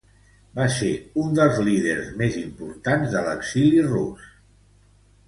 Va ser un dels líders més importants de l'exili rus.